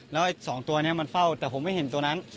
แล้วไอ้๒ตัวนี้มันเฝ้าแต่ผมไม่เห็นตัวนั้น